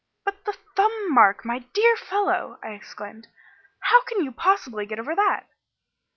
"But the thumb mark, my dear fellow!" I exclaimed. "How can you possibly get over that?"